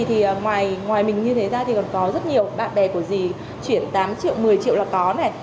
thì ngoài mình như thế ra thì còn có rất nhiều bạn bè của dì chuyển tám triệu một mươi triệu là có này